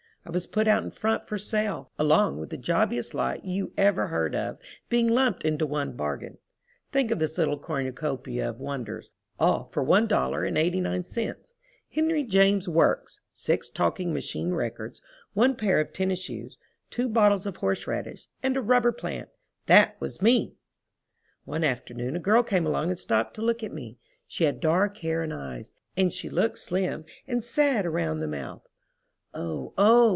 I was put out in front for sale along with the jobbiest lot you ever heard of being lumped into one bargain. Think of this little cornucopia of wonders, all for $1.89: Henry James's works, six talking machine records, one pair of tennis shoes, two bottles of horse radish, and a rubber plant—that was me! One afternoon a girl came along and stopped to look at me. She had dark hair and eyes, and she looked slim, and sad around the mouth. "Oh, oh!"